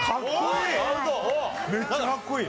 めっちゃかっこいい。